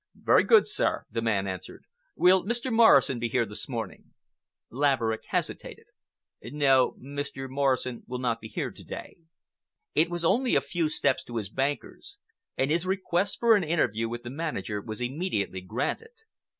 "Very good, sir," the man answered. "Will Mr. Morrison be here this morning?" Laverick hesitated. "No, Mr. Morrison will not be here to day." It was only a few steps to his bankers, and his request for an interview with the manager was immediately granted.